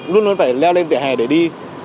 luôn luôn phải leo lên vỉa hè để đi